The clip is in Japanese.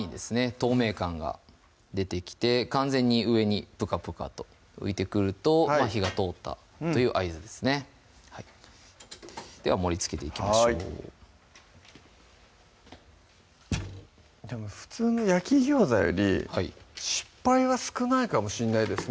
透明感が出てきて完全に上にプカプカと浮いてくると火が通ったという合図ですねでは盛りつけていきましょうでも普通の焼き餃子より失敗は少ないかもしんないですね